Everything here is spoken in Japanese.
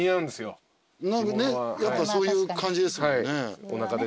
やっぱそういう感じですもんね。